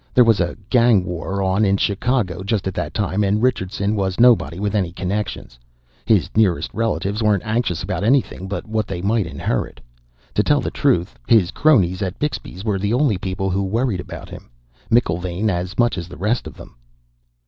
There was a gang war on in Chicago just at that time, and Richardson was nobody with any connections. His nearest relatives weren't anxious about anything but what they might inherit; to tell the truth, his cronies at Bixby's were the only people who worried about him. McIlvaine as much as the rest of them.